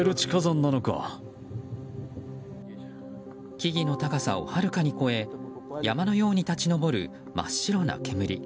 木々の高さをはるかに越え山のように立ち上る真っ白な煙。